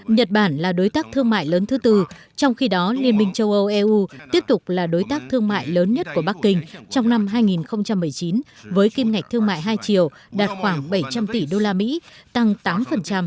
nhật bản là đối tác thương mại lớn thứ tư trong khi đó liên minh châu âu eu tiếp tục là đối tác thương mại lớn nhất của bắc kinh trong năm hai nghìn một mươi chín với kim ngạch thương mại hai triệu đạt khoảng bảy trăm linh tỷ usd tăng tám